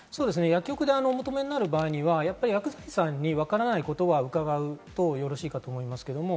薬局でお求めになる場合は、薬剤師さんにわからないことは伺おうとよろしいかと思います。